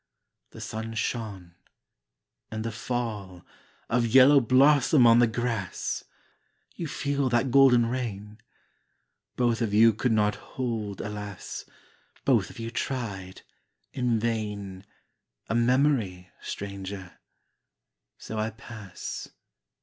The sun shone ... and the fall Of yellow blossom on the grass! You feel that golden rain? Both of you could not hold, alas, (Both of you tried in vain) A memory, stranger. So I pass....